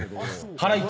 はい。